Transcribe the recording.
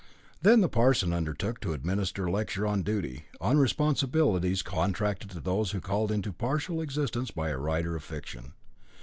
Then the parson undertook to administer a lecture on Duty, on responsibilities contracted to those called into partial existence by a writer of fiction.